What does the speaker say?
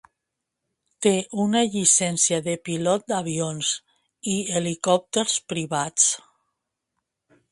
Té una llicència de pilot d'avions i helicòpters privats.